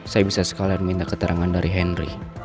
saya bisa sekalian minta keterangan dari henry